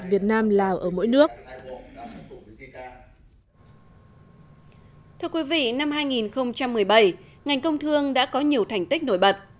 vì năm hai nghìn một mươi bảy ngành công thương đã có nhiều thành tích nổi bật